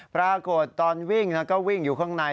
ปรากฏตอนวิ่งแล้วก็วิ่งอยู่ข้างใน